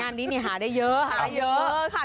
งานนี้หาได้เยอะหาได้เยอะ